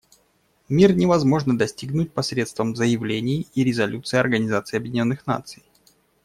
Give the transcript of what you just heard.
Мир невозможно достигнуть посредством заявлений и резолюций Организации Объединенных Наций.